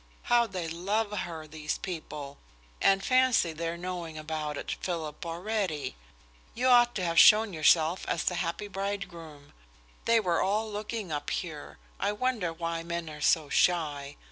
"How they love her, these people! And fancy their knowing about it, Philip, already! You ought to have shown yourself as the happy bridegroom. They were all looking up here. I wonder why men are so shy.